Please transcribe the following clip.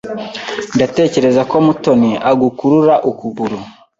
Ndatekereza ko Mutoni agukurura ukuguru.